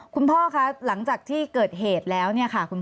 พ่อคะหลังจากที่เกิดเหตุแล้วเนี่ยค่ะคุณพ่อ